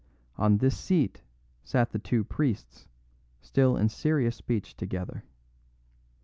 On this seat sat the two priests still in serious speech together.